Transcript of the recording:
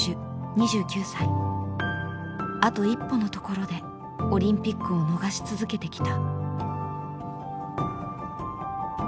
あと一歩のところでオリンピックを逃し続けてきた。